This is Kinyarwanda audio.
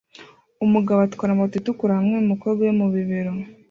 Umugabo atwara moto itukura hamwe numukobwa we mu bibero